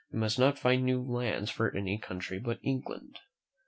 You must not find new lands for any country but England."